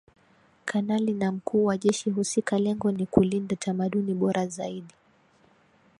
kanali na Mkuu wa Jeshi husika Lengo nikulinda tamaduni Bora zaidi